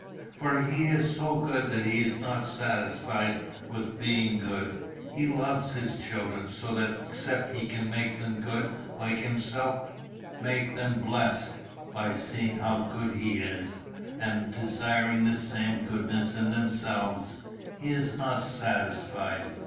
For he is so good that he is not satisfied with being good. He loves his children, so that except he can make them good like himself, make them blessed by seeing how good he is, and desiring the same goodness in themselves, he is not satisfied.